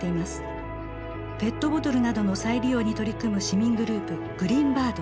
ペットボトルなどの再利用に取り組む市民グループグリーンバード。